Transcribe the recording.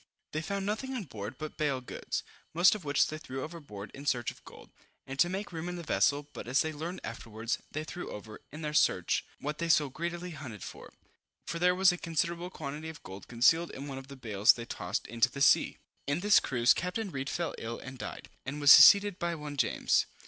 They found nothing on board but bale goods, most of which they threw overboard in search of gold, and to make room in the vessel; but as they learned afterwards, they threw over, in their search, what they so greedily hunted after, for there was a considerable quantity of gold concealed in one of the bales they tossed into the sea! In this cruise Capt. Read fell ill and died, and was succeeded by one James.